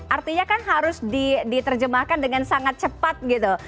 artinya kan harus diterjemahkan dengan sangat cepat gitu